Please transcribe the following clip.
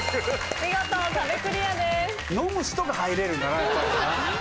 見事壁クリアです。